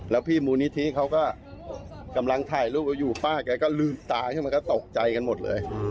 แล้วพี่มูลนิธิเขาก็กำลังถ่ายรูปอยู่ป้าแกก็ลืมตาขึ้นมาก็ตกใจกันหมดเลย